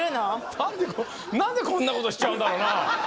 何で何でこんなことしちゃうんだろうな？